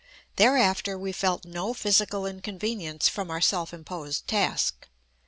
Thereafter we felt no physical inconvenience from our self imposed task.